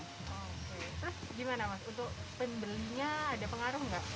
terus bagaimana mas untuk pembelinya ada pengaruh tidak